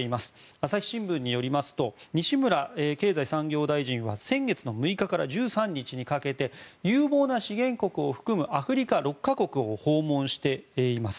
朝日新聞によりますと西村経済産業大臣は先月６日から１３日にかけて有望な資源国を含むアフリカ６か国を訪問しています。